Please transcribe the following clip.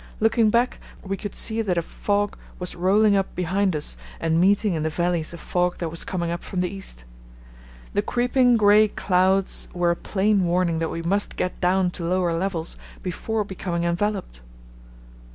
Looking back, we could see that a fog was rolling up behind us and meeting in the valleys a fog that was coming up from the east. The creeping grey clouds were a plain warning that we must get down to lower levels before becoming enveloped.